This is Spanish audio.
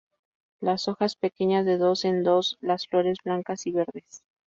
Las hojas pequeñas de dos en dos, las flores blancas y verdes.